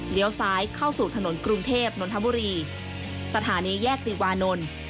ซ้ายเข้าสู่ถนนกรุงเทพนนทบุรีสถานีแยกติวานนท์